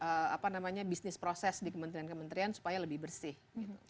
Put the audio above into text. apa namanya bisnis proses di kementerian kementerian supaya lebih bersih gitu